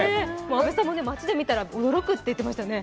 阿部さんも、街で見たら驚くと言ってましたね。